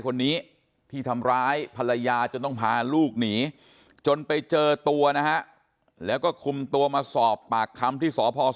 คนนี้ที่ทำร้ายภรรยาจนต้องพาลูกหนีจนไปเจอตัวนะฮะแล้วก็คุมตัวมาสอบปากคำที่สพ